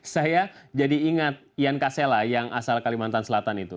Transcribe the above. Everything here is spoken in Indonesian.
saya jadi ingat ian kasela yang asal kalimantan selatan itu